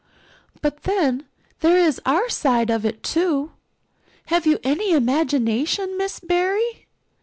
But then, there is our side of it too. Have you any imagination, Miss Barry?